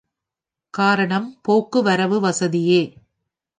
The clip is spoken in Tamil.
காரணம் போக்கு வரவு வசதியே.